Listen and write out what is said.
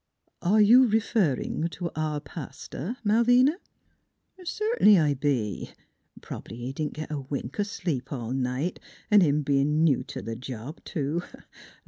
" Are you referring t' our pas ter, Malvina? "" Cert'nly I be. Prob'ly he didn't git a wink o' sleep all night, an' him bein' new t' th' job, too.